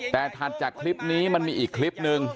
แต่ถัดจากคลิปนี้มันมีอีกคลิปนึง